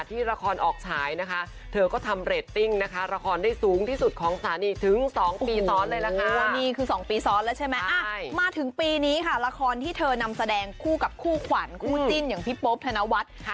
ทีนี้ค่ะละครที่เธอนำแสดงคู่กับคู่ขวัญคู่จิ้นอย่างพี่ป๊อบธนวัฒน์